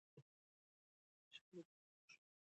راځئ چې خپله وفاداري وښیو.